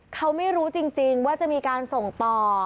เขาไม่รู้จริงว่าจะมีการส่งต่อ